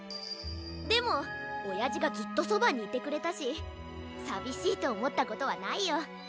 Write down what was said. でもおやじがずっとそばにいてくれたしさびしいとおもったことはないよ。